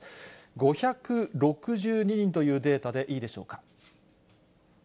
５６２人というデータでいいでしょうか。